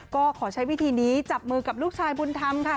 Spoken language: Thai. ก็ขอใช้วิธีนี้จับมือกับลูกชายบุญธรรมค่ะ